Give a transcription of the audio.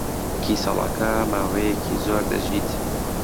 کیسەڵەکە ماوەیەکی زۆر دەژیت.